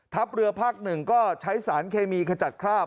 เรือภาค๑ก็ใช้สารเคมีขจัดคราบ